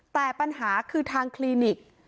แต่ปัญหาคือทางคลินิก